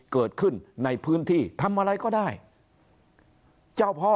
เกิดขึ้นในพื้นที่ทำอะไรก็ได้เจ้าพ่อ